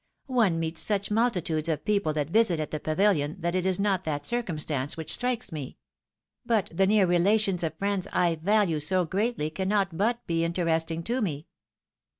One meets such multitudes of people that visit at the Pavilion, that it is not that circumstance which strikes me. But the near relations of friends I value so greatly cannot but be interesting to me."